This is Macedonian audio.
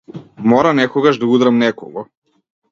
Мора некогаш да удрам некого.